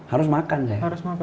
harus makan ya